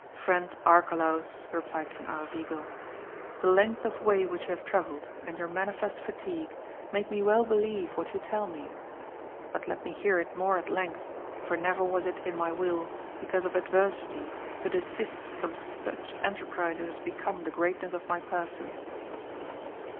Friend Arcalaus, replied King Aravigo, the length of way which you have travelled, and your manifest fatigue make me well believe what you tell me ; but let me hear it more at length, for never was it in my will because of adversity to desist from such enterprizes as become the greatness of my person.